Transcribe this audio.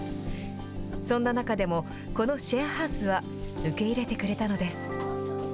そんな中でも、このシェアハウスは受け入れてくれたのです。